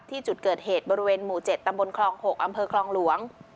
ที่จุดเกิดเหตุบริเวณหมู่๗ตำบลคลอง๖อำเภอคลองหลวง